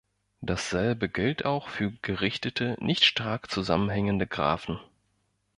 Dasselbe gilt auch für gerichtete nicht stark zusammenhängende Graphen.